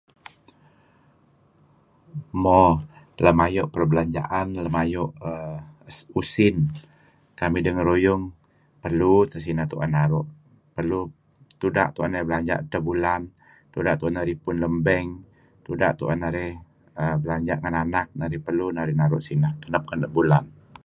Mo, lem ayu' perbelanjaan, lem ayu' usin, kamih dengeruyung perlu teh sineh tu'en naru'. Perlu tuda' tu'en narih belanja' edtah bulan, tuda' tu'en narih ripun lem bank tuda' tu'en narih belanja' ngen anak narih perlu narih naru' sineh kenep-kenep bulan.